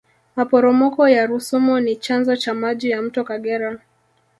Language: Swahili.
maporomoko ya rusumo ni chanzo cha maji ya mto kagera